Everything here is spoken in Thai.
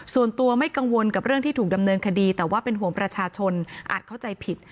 ส่วนตัวไม่กังวลกับเรื่องที่ถูกดำเนินคดีแต่ว่าเป็นห่วงประชาชนอาจเข้าใจผิด